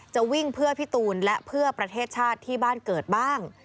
จะวิ่งเพื่อพี่ตูนและเพื่อประเทศชาติที่บ้านเกิดบ้าง